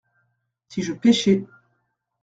Si je pêchais.